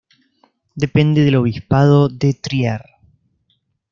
Depende del obispado de Trier.